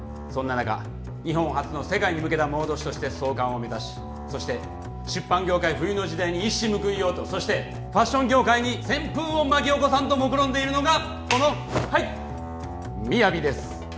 そんな中日本発の世界に向けたモード誌として創刊を目指しそして出版業界冬の時代に一矢報いようとそしてファッション業界に旋風を巻き起こさんともくろんでいるのがこのはいっ「ＭＩＹＡＶＩ」です